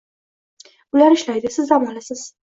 Ular ishlaydi Siz dam olasiz